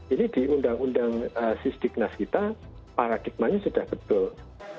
ini di undang undang sis di kenas kita para kipmanya sudah betul